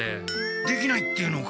できないって言うのか？